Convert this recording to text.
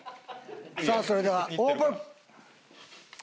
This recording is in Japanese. さあそれではオープン！